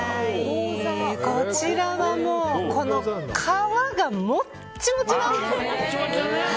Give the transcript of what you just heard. こちらは、もうこの皮がもっちもちなんです！